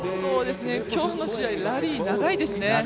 今日の試合、ラリー長いですね。